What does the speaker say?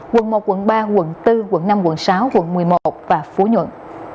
quận một quận ba quận bốn quận năm quận sáu quận một mươi một và phú nhuận